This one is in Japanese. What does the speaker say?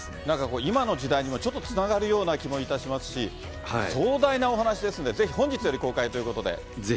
なんかこう、今の時代にもちょっとつながるような気もいたしますし、壮大なお話ですんで、ぜひ本日より公開ということで。